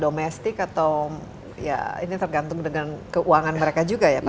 domestik atau ya ini tergantung dengan keuangan mereka juga ya pak